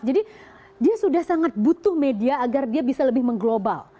jadi dia sudah sangat butuh media agar dia bisa lebih mengglobal